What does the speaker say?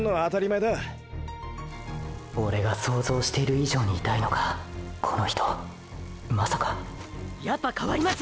オレが想像してる以上に痛いのかこの人ーーまさかやっぱ代わります！！